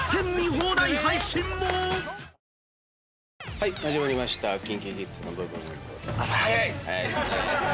はい始まりました『ＫｉｎＫｉＫｉｄｓのブンブブーン！』です。